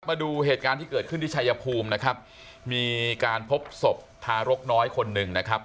มาดูเหตุการณ์ที่เกิดขึ้นที่ชายภูมินะครับมีการพบศพทารกน้อยคนหนึ่งนะครับ